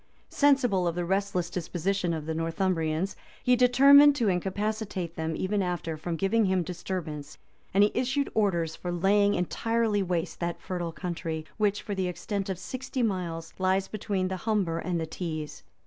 Sensible of the restless disposition of the Northumbrians, he determined to incapacitate them even after from giving him disturbance; and he issued orders for laying entirely waste that fertile country, which, for the extent of sixty miles, lies between the Humber and the Tees.